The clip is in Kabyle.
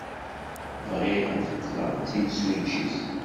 Bɣiɣ ad qqleɣ d timsujjit.